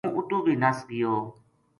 ہوں اُتو بھی نس گیو